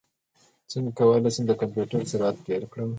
څنګه کولی شم د کمپیوټر سرعت ډېر کړم